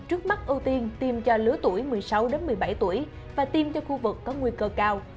trước mắt ưu tiên tiêm cho lứa tuổi một mươi sáu một mươi bảy tuổi và tiêm cho khu vực có nguy cơ cao